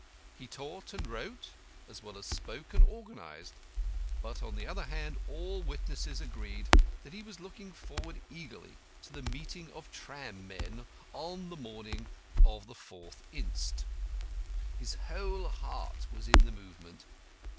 He taught, and wrote, as well as spoke and organised. But on the other hand all witnesses agreed that he was looking forward eagerly to the meeting of tram men on the morning of the 4th inst. His whole heart was in the movement.